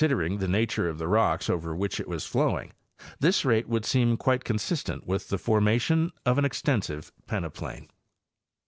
ing the nature of the rocks over which it was flowing, this rate would seem quite consistent with the formation of an extensive peneplain.